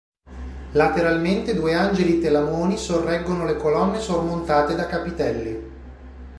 Lateralmente due angeli telamoni sorreggono le colonne sormontate da capitelli.